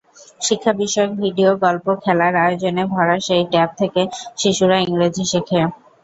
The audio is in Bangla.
শিক্ষা-বিষয়ক ভিডিও, গল্প, খেলার আয়োজনে ভরা সেই ট্যাব থেকে শিশুরা ইংরেজি শেখে।